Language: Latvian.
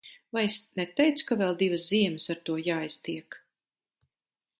Vai es neteicu, ka vēl divas ziemas ar to jāiztiek.